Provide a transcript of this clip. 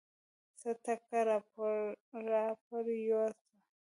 څه ټکه راپرېوته.